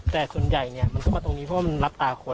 แต่ส่วนใหญ่เนี่ยมันต้องกายตรงนี้เพราะมันรับตากล